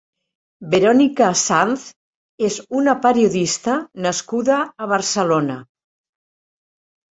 Verónica Sanz és una periodista nascuda a Barcelona.